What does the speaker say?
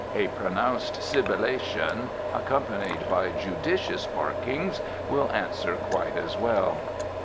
A pronounced sibilation, accompanied by judicious barkings, will answer quite as well.